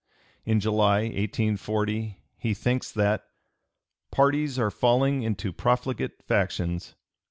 In July, 1840, he thinks that "parties are falling into profligate factions.